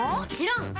ん？